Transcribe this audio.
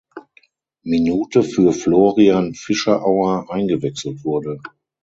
Minute für Florian Fischerauer eingewechselt wurde.